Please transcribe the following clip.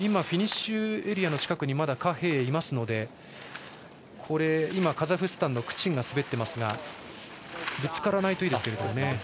フィニッシュエリアの近くまだ何秉睿がいますのでカザフスタンのクチンが滑っていますがぶつからないといいですね。